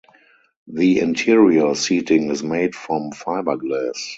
The interior seating is made from fiberglass.